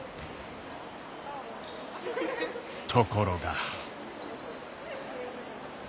ところが。